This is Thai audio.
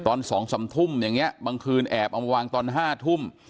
ตอน๒๓ทุ่มอย่างนี้บางคืนแอบเอามาวางตอน๕ทุ่ม